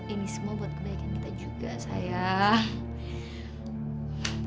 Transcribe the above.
ini semua buat kebaikan kita juga saya